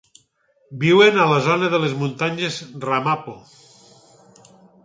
Viuen a la zona de les muntanyes Ramapo.